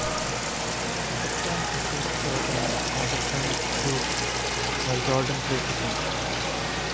Uzbekistan precedes Jordan as it won its group, while Jordan placed second.